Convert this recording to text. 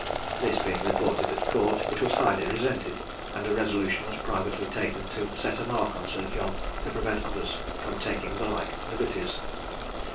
This being reported at court, it was highly resented; and a resolution was privately taken to set a mark on Sir John, to prevent others from taking the like liberties.